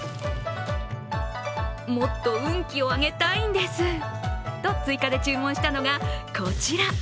もっと運気を上げたいんですと追加で注文したのが、こちら。